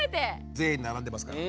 全員並んでますから。